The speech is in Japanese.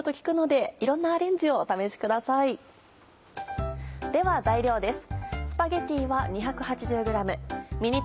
では材料です。